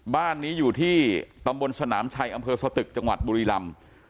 บ้านนี้อยู่ที่ตำบลสนามชัยอำเภอสตึกจังหวัดบุรีลำ